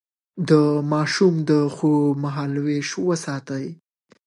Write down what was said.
د ماشوم د خوب مهالويش وساتئ.